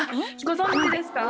ご存じですか？